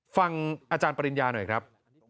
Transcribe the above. ฟังอาจารย์ปริญญาหน่อยครับ